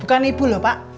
bukan ibu lho pak